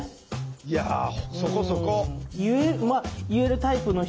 いやそこそこ。